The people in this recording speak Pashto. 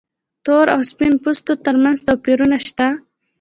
تور او سپین پوستو تر منځ توپیرونه شته.